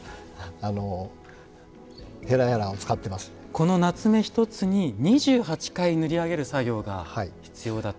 このなつめ１つに２８回塗り上げる作業が必要だと。